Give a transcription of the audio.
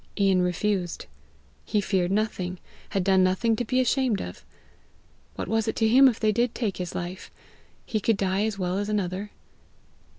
Ian refused. He feared nothing, had done nothing to be ashamed of! What was it to him if they did take his life! he could die as well as another!